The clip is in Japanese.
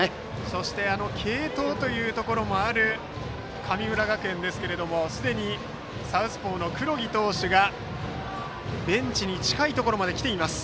そして継投もある神村学園ですがすでにサウスポーの黒木投手がベンチに近いところまで来ています。